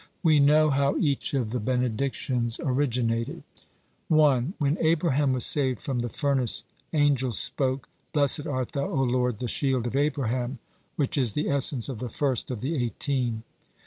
We know how each of the benedictions originated: 1. When Abraham was saved from the furnace angels spoke: "Blessed art Thou, O Lord, the Shield of Abraham," which is the essence of the first of the Eighteen.